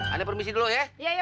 anda permisi dulu ya